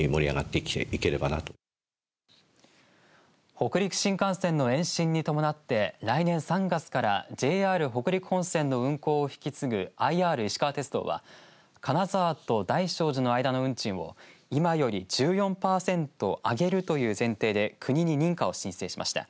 北陸新幹線の延伸に伴って来年３月からＪＲ北陸本線の運行を引き継ぐＩＲいしかわ鉄道は金沢と大聖寺の間の運賃を今より１４パーセント上げるという前提で国に認可を申請しました。